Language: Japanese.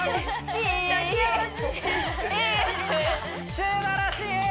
すばらしい！